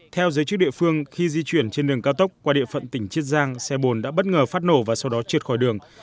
theo giới chức địa phương khi di chuyển trên đường cao tốc qua địa phận tỉnh chiết giang xe bồn đã bất ngờ phát nổ và sau đó trượt khỏi đường